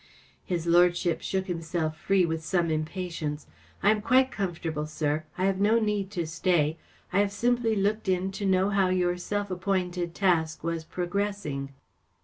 His lordship shook himself free with some impatience. " I am quite comfortable, sir. I have no need to stay. I have simply looked in to know how your self appointed task was progressing."